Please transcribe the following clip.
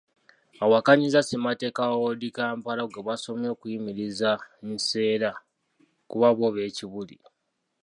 Awakanyizza ssemateeka wa Old Kampala gwe baasomye okuyimiriza Nseera kuba bbo b'e Kibuli.